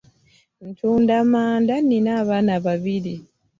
Ntunda manda, nnina abaana babiri.